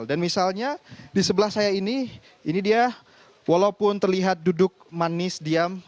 dan misalnya di sebelah saya ini ini dia walaupun terlihat duduk manis diam